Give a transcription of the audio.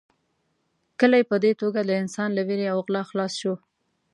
کلی په دې توګه له انسان له وېرې او غلا خلاص شو.